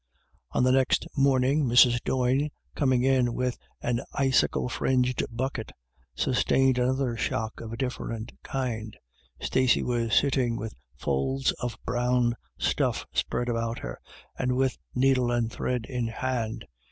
On the next morning, Mrs. Doyne, coming in with an icicle fringed bucket, sustained another shock of a different kind. Stacey was sitting with folds of brown stuff spread about her, and with needle and thread in hand.